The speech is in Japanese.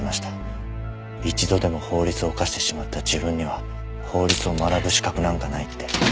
一度でも法律を犯してしまった自分には法律を学ぶ資格なんかないって。